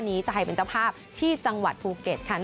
นี้จะให้เป็นเจ้าภาพที่จังหวัดภูเก็ตค่ะ